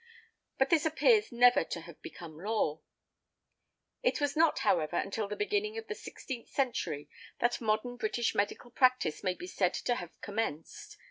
But this appears never to have become law. It was not, however, until the beginning of the sixteenth century that modern British medical practice may be said to have commenced.